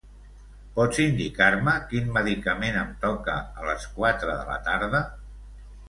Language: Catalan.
Pots indicar-me quin medicament em toca a les quatre de la tarda?